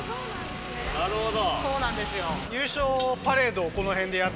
なるほど。